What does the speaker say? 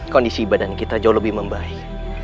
kondisi badan kita jauh lebih membaik